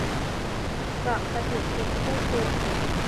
จากสถิติผู้ป่วย